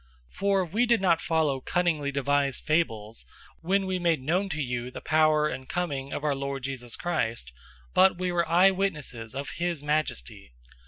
001:016 For we did not follow cunningly devised fables, when we made known to you the power and coming of our Lord Jesus Christ, but we were eyewitnesses of his majesty.